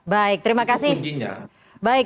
baik terima kasih